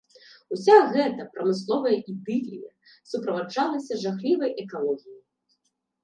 Уся гэта прамысловая ідылія суправаджалася жахлівай экалогіяй.